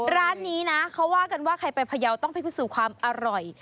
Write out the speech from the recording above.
ร้านนี้นะเขาว่ากันว่าใครไปพยาวต้องไปพิสูจน์ความอร่อย